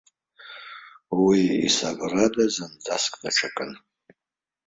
Уи исабрада зынӡаск даҽакын.